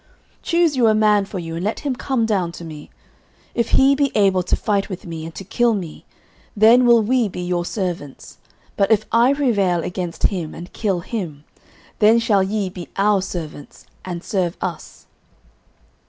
choose you a man for you, and let him come down to me. 09:017:009 If he be able to fight with me, and to kill me, then will we be your servants: but if I prevail against him, and kill him, then shall ye be our servants, and serve us.